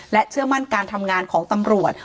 เชื่อมั่นการทำงานของตำรวจ